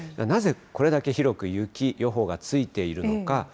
なぜこれだけ広く雪予報がついているのか。